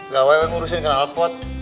gak gue ngurusin kenal pot